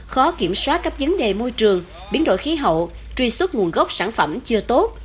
khó kiểm soát các vấn đề môi trường biến đổi khí hậu truy xuất nguồn gốc sản phẩm chưa tốt